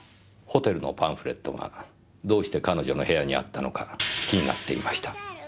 ホテルのパンフレットがどうして彼女の部屋にあったのか気になっていました。